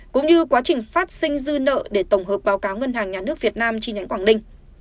cũng như quá trình phát sinh dư nợ để tổng hợp báo cáo ngân hàng nhà nước việt nam chi nhánh quảng ninh